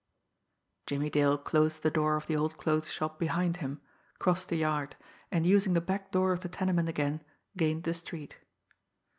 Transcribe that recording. Jimmie Dale closed the door of the old clothes shop behind him, crossed the yard, and using the back door of the tenement again; gained the street.